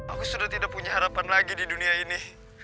aku sudah tidak punya harapan lagi di dunia ini